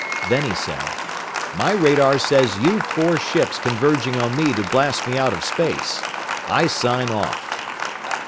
Then he said, "My radar says you've four ships converging on me to blast me out of space. I sign off."